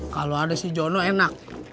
kalau ada si jono enak